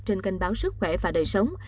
trên kênh báo sức khỏe và đời sống